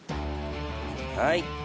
はい。